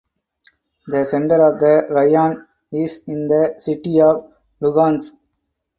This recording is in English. The center of the raion is in the city of Luhansk.